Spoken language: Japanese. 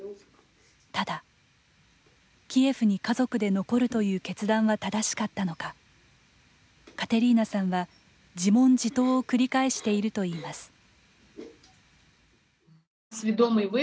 ただ、キエフに家族で残るという決断は正しかったのかカテリーナさんは、自問自答を繰り返しているといいます。